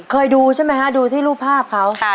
เคยดูใช่ไหมฮะดูที่รูปภาพเขา